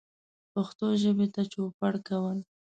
پښتو ژبې ته چوپړ کول